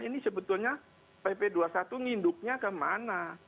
ini sebetulnya pp dua puluh satu nginduknya kemana